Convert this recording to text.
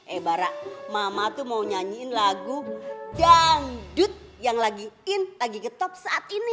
eh bara mama tuh mau nyanyiin lagu dangdut yang lagiin lagi ke top saat ini